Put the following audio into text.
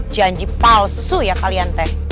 janji palsu ya kalian teh